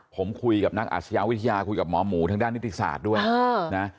ผมคุยกับนักอาชญาวิทยาคุยกับหมอหมูทางด้านนิติศาสตร์ด้วยนะ